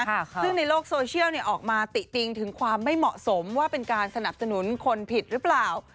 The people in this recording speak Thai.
ซึ่งในโลกโซเชียลออกมาติติงถึงความไม่เหมาะสมว่าเป็นการสนับสนุนคนผิดหรือเปล่า